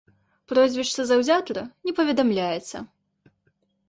Прозвішча заўзятара не паведамляецца.